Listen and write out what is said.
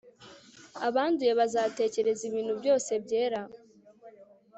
abanduye bazatekereza ibintu byose byera